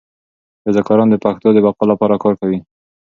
رضاکاران د پښتو د بقا لپاره کار کوي.